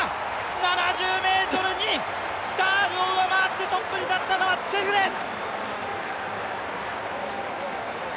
７０ｍ０２、スタールを上回ってトップに立ったのはチェフです。